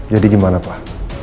jadi gimana pak